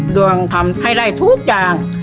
ดวงทำให้ได้ทุกอย่าง